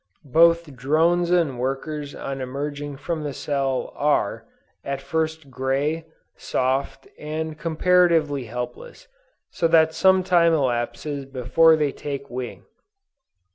Both drones and workers on emerging from the cell are, at first grey, soft and comparatively helpless so that some time elapses before they take wing.